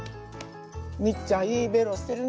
ミッちゃんいいベロしてるね。